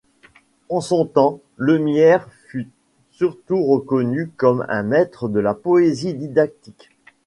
En son temps, Lemierre fut surtout reconnu comme un maître de la poésie didactique.